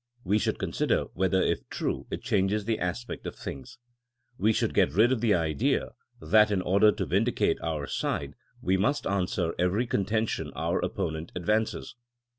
We should consider whether if true it changes the aspect of things^ We should get rid of the idea that in order to vindicate our side we must answer every contention our op ponent advances.